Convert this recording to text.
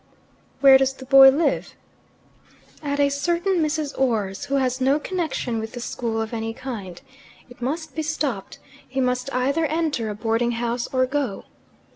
"Where does the boy live?" "At a certain Mrs. Orr's, who has no connection with the school of any kind. It must be stopped. He must either enter a boarding house or go."